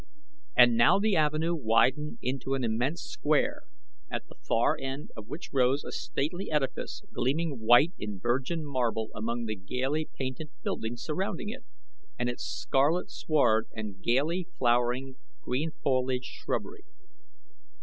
And now the avenue widened into an immense square, at the far end of which rose a stately edifice gleaming white in virgin marble among the gaily painted buildings surrounding it and its scarlet sward and gaily flowering, green foliaged shrubbery.